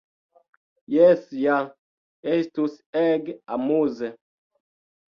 Jes ja! Estus ege amuze!